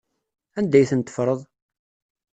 Anda ay ten-teffreḍ?